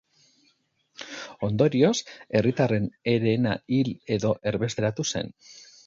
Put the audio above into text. Ondorioz, herritarren herena hil edo erbesteratu zen.